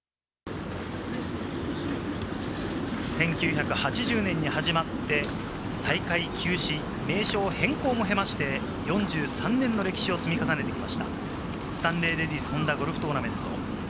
１９８０年に始まって、大会休止、名称変更もへまして、４３年の歴史を積み重ねてきました、スタンレーレディスホンダゴルフトーナメント。